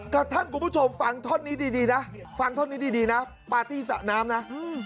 กระทั่งคุณผู้ชมฟังท่อนนี้ดีนะฟังท่อนนี้ดีนะปาร์ตี้สระน้ำนะ